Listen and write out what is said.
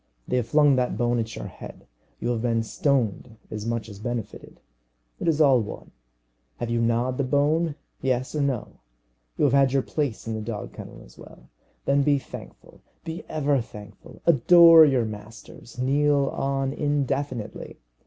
They have flung that bone at your head. You have been stoned as much as benefited. It is all one. Have you gnawed the bone yes or no? You have had your place in the dog kennel as well. Then be thankful be ever thankful. Adore your masters. Kneel on indefinitely.